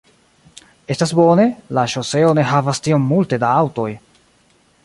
Estas bone, la ŝoseo ne havas tiom multe da aŭtoj